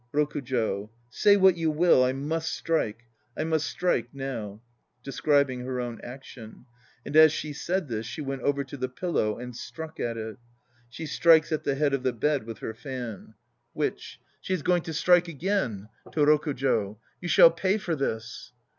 ROKUJO. Say what you will, I must strike. I must strike now. (De scribing her own action.) "And as she said this, she went over to the pillow and struck at it." (She strikes at the head of the bed with her fan.) WITCH. She is going to strike again. (To ROKUJO.) You shall pay for this!